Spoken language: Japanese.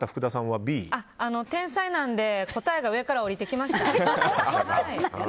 天才なので答えが上から降りてきました。